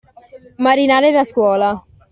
Marinare la scuola.